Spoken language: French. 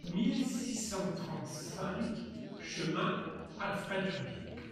mille six cent trente-cinq chemin Alfred Janvier